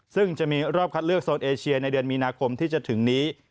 ซึ่งจะมีรอบคัดเลือกโซนเอเชียในเดือนมีนาคมที่จะถึงนี้